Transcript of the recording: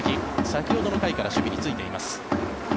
先ほどの回から守備に就いています。